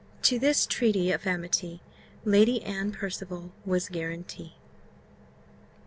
To this treaty of amity Lady Anne Percival was guarantee.